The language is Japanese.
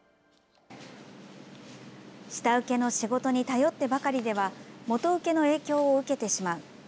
下請けの仕事に頼ってばかりでは元請けの影響を受けてしまう。